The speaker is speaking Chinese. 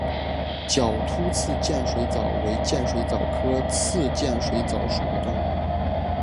角突刺剑水蚤为剑水蚤科刺剑水蚤属的动物。